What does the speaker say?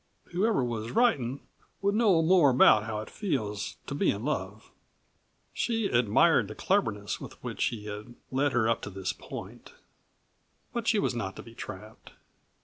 Whoever was writin' would know more about how it feels to be in love." She admired the cleverness with which he had led her up to this point, but she was not to be trapped.